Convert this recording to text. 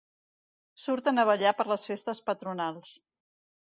Surten a ballar per les festes patronals.